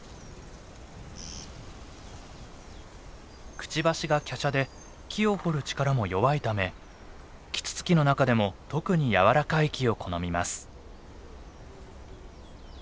クチバシがきゃしゃで木を掘る力も弱いためキツツキの中でも特に柔らかい木を好みます。